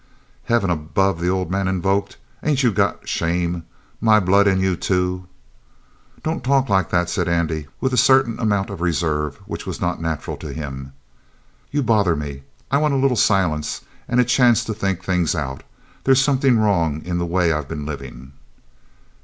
"Heaven above!" the older man invoked. "Ain't you got shame? My blood in you, too!" "Don't talk like that," said Andy with a certain amount of reserve which was not natural to him. "You bother me. I want a little silence and a chance to think things out. There's something wrong in the way I've been living."